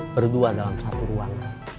berdua dalam satu ruang